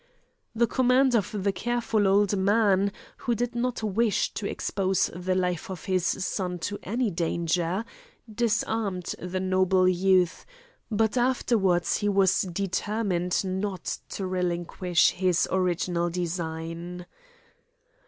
The command of the careful old man, who did not wish to expose the life of his son to any danger, disarmed the noble youth, but afterwards he was determined not to relinquish his original design.